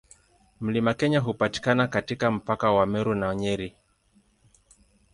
Mlima Kenya hupatikana katika mpaka wa Meru na Nyeri.